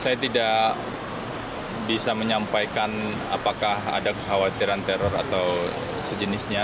saya tidak bisa menyampaikan apakah ada kekhawatiran teror atau sejenisnya